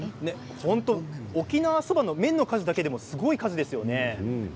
沖縄そばの麺の数もすごい数ですよね。